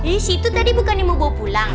eh si itu tadi bukan yang mau bawa pulang